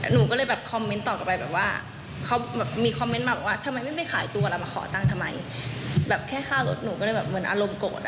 หนูก็เลยแบบคอมเมนต์ต่อกลับไปแบบว่าเขาแบบมีคอมเมนต์มาบอกว่าทำไมไม่ไปขายตัวเรามาขอตังค์ทำไมแบบแค่ค่ารถหนูก็เลยแบบเหมือนอารมณ์โกรธอ่ะ